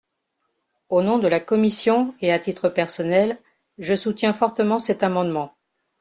Au nom de la commission et à titre personnel, je soutiens fortement cet amendement.